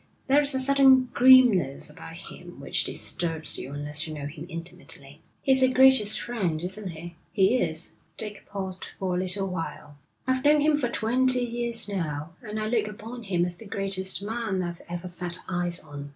There's a certain grimness about him which disturbs you unless you know him intimately.' 'He's your greatest friend, isn't he?' 'He is.' Dick paused for a little while. 'I've known him for twenty years now, and I look upon him as the greatest man I've ever set eyes on.